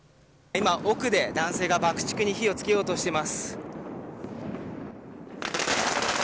今、奥で男性が爆竹に火を付けようとしています。